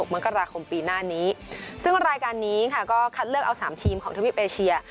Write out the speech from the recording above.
มกราคมปีหน้านี้ซึ่งรายการนี้ค่ะก็คัดเลือกเอา๓ทีมของทวีปเอเชีย